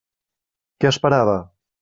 Què esperava?